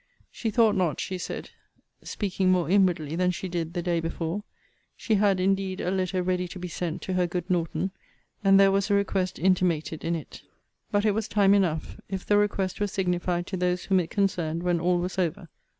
She thought not, she said, speaking more inwardly than she did the day before. She had indeed a letter ready to be sent to her good Norton; and there was a request intimated in it. But it was time enough, if the request were signified to those whom it concerned when all was over.